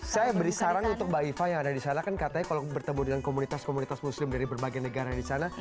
saya beri saran untuk mbak iva yang ada di sana kan katanya kalau bertemu dengan komunitas komunitas muslim dari berbagai negara di sana